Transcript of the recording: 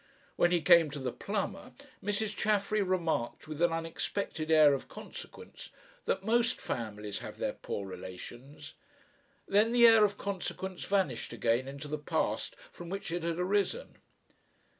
When he came to the plumber, Mrs. Chaffery remarked with an unexpected air of consequence that most families have their poor relations. Then the air of consequence vanished again into the past from which it had arisen.